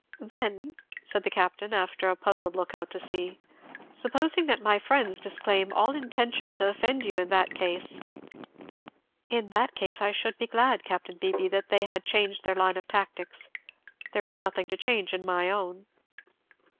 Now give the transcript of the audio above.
"Then," said the Captain, after a puzzled look out to sea, "supposing that my friends disclaim all intention to offend you in that case " "In that case I should be glad, Capt. Beebee, that they had changed their line of tactics there is nothing to change in my own."